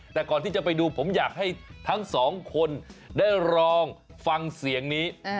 แต่ก่อนที่จะไปดูผมอยากให้ทั้งสองคนได้ลองฟังเสียงนี้